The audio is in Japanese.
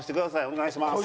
お願いします。